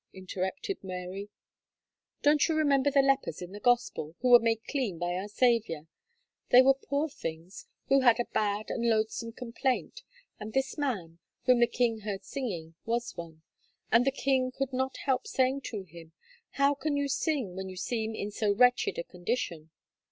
interrupted Mary. "Don't you remember the lepers in the Gospel, who were made clean by our Saviour? they were poor things, who had a bad and loathsome complaint, and this man, whom the king heard singing, was one; and the king could not help saying to him, 'how can you sing when you seem in so wretched a condition?'